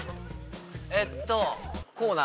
えっとこうなの。